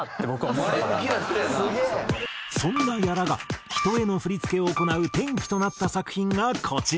そんな屋良が人への振付を行う転機となった作品がこちら。